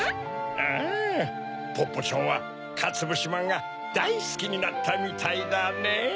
うんポッポちゃんはかつぶしまんがだいすきになったみたいだねぇ。